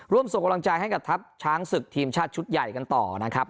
ส่งกำลังใจให้กับทัพช้างศึกทีมชาติชุดใหญ่กันต่อนะครับ